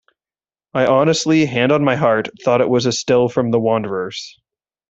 I honestly, hand on my heart, thought it was a still from "The Wanderers".